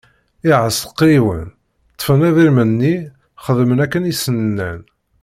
Iɛsekṛiwen ṭṭfen idrimen-nni, xedmen akken i sen-nnan.